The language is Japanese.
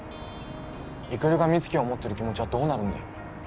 育が美月を思ってる気持ちはどうなるんだよ